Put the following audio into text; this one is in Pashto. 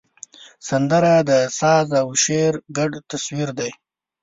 سندره د ساز او شعر ګډ تصویر دی